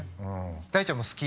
大ちゃんも好き？